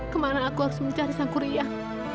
kemana aku harus mencari sangku rian